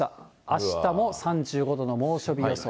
あしたも３５度の猛暑日予想。